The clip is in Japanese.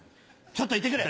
ちょっと行って来る！